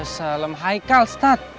salam haikal ustaz